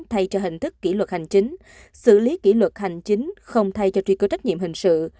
thay cho hình thức kỷ luật hành chính xử lý kỷ luật hành chính không thay cho truy cứu trách nhiệm hình sự